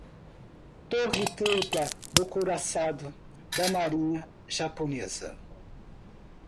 Torre tripla do couraçado da marinha japonesa